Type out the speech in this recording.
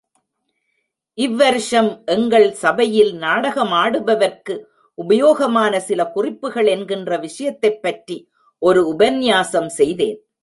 இவ்வருஷம் எங்கள் சபையில் நாடகமாடுபவர்க்கு உபயோகமான சில குறிப்புகள் என்கிற விஷயத்தைப் பற்றி ஒரு உபன்யாசம் செய்தேன்.